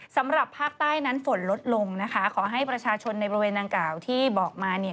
สำหรับภาคใต้นั้นฝนลดลงนะคะขอให้ประชาชนในบริเวณดังกล่าวที่บอกมาเนี่ย